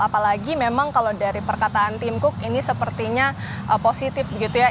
apalagi memang kalau dari perkataan tim cook ini sepertinya positif begitu ya